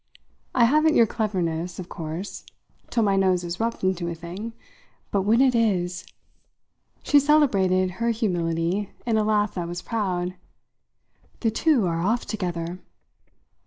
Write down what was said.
I haven't your cleverness, of course, till my nose is rubbed into a thing. But when it is !" She celebrated her humility in a laugh that was proud. "The two are off together."